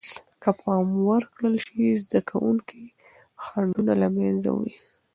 که پام ورکړل سي، زده کوونکي خنډونه له منځه وړي.